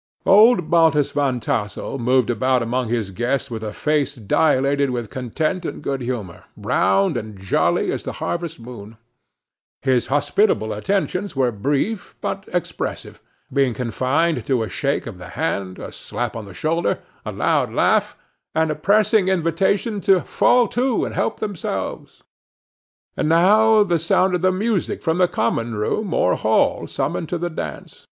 Old Baltus Van Tassel moved about among his guests with a face dilated with content and good humor, round and jolly as the harvest moon. His hospitable attentions were brief, but expressive, being confined to a shake of the hand, a slap on the shoulder, a loud laugh, and a pressing invitation to "fall to, and help themselves." And now the sound of the music from the common room, or hall, summoned to the dance.